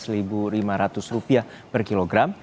enam belas ribu lima ratus rupiah per kilogram